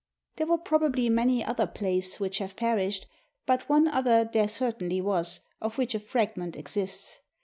There were probably many other plays which have perished, but one other there certainly was, of which a fragment exists.